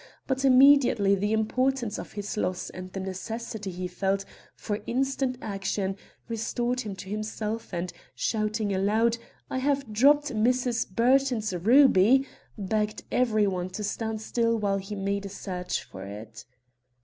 But immediately the importance of his loss and the necessity he felt for instant action restored him to himself, and shouting aloud, 'I have dropped Mrs. Burton's ruby!' begged every one to stand still while he made a search for it.